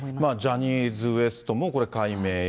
ジャニーズＷＥＳＴもこれ、改名へ。